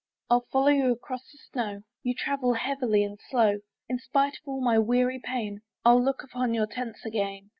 I'll follow you across the snow, You travel heavily and slow: In spite of all my weary pain, I'll look upon your tents again.